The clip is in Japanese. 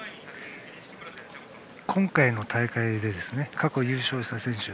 今回の大会で過去優勝した選手